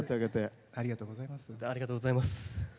ありがとうございます。